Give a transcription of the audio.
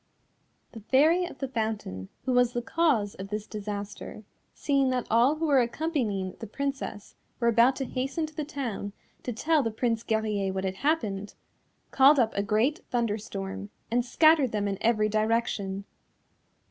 The Fairy of the Fountain, who was the cause of this disaster seeing that all who were accompanying the Princess were about to hasten to the town to tell the Prince Guerrier what had happened, called up a great thunderstorm and scattered them in every direction.